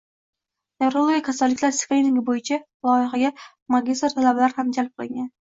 Nevrologik kasalliklar skriningi bo‘yicha loyihaga magistr-talabalar ham jalb qilingan